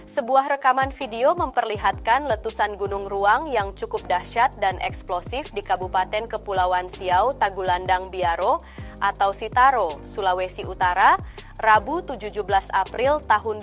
sebuah rekaman video memperlihatkan letusan gunung ruang yang cukup dahsyat dan eksplosif di kabupaten kepulauan siau tagulandang biaro atau sitaro sulawesi utara rabu tujuh belas april dua ribu dua puluh